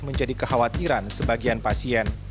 menjadi kekhawatiran sebagian pasien